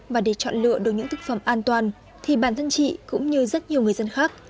và để chọn lựa được những thực phẩm an toàn thì bản thân chị cũng như rất nhiều người dân khác